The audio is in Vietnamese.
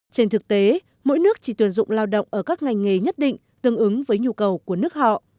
trên thực tế mỗi nước chỉ tuyển dụng lao động ở các ngành nghề nhất định tương ứng với nhu cầu của nước họ